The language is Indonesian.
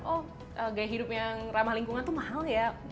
oh gaya hidup yang ramah lingkungan tuh mahal ya